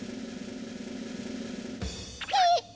えっ！